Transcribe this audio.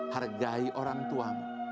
hargai orang tuamu